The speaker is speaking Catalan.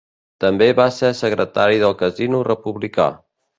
També va ser secretari del Casino Republicà.